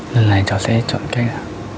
lần này cháu sẽ chọn cách là